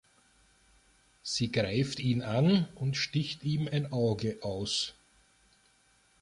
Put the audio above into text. Sie greift ihn an und sticht ihm ein Auge aus.